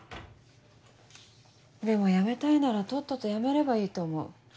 でも辞めたいならとっとと辞めればいいと思う。